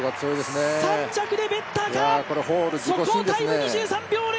３着でベッターか、速報タイム２３秒０８。